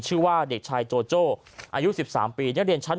ชื่อว่าเด็กชายโจโจ้อายุ๑๓ปีนักเรียนชั้น